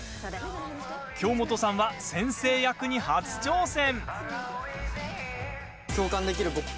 京本さんは、先生役に初挑戦。